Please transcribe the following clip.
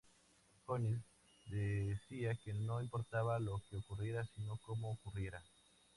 Jones decía que no importaba lo que ocurriera, sino como ocurriera.